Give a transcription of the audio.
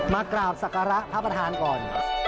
มากราบศักระพระประธานก่อน